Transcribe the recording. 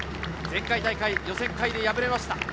前回大会、予選会で敗れました。